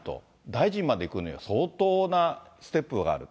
大臣までいくには、相当なステップがある。